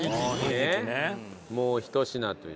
もうひと品という。